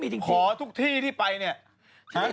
ผู้ใส่เสื้อบอลเบอร์๑๘